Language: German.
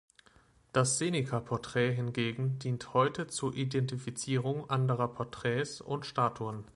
Das Seneca-Porträt hingegen dient heute zur Identifizierung anderer Porträts und Statuen.